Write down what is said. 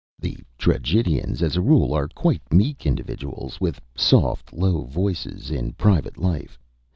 The tragedians, as a rule, are quiet meek individuals, with soft low voices, in private life.